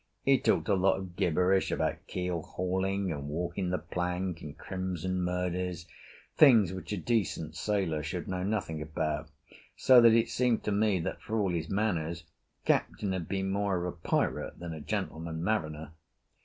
He talked a lot of gibberish about keel hauling and walking the plank and crimson murders things which a decent sailor should know nothing about, so that it seemed to me that for all his manners Captain had been more of a pirate than a gentleman mariner.